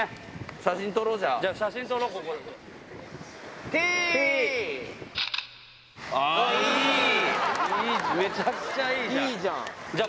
写真撮ろう、じゃあ。